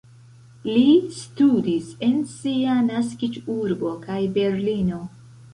Li studis en sia naskiĝurbo kaj Berlino.